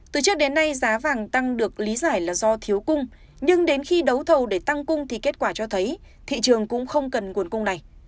từ trước đến nay giá vàng tăng được lý giải là do thiếu cung nhưng đến khi đấu thầu để tăng cung thì kết quả cho thấy thị trường cũng không cần nguồn cung này